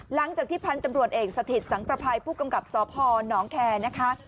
หลังจากที่พันธุ์ตำรวจเอกสถิตสังประภัยผู้กำกับสพนแคร์นะคะ